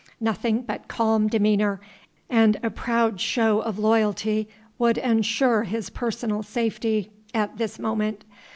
Nothing but calm demeanour and a proud show of loyalty would ensure his personal safety at this moment.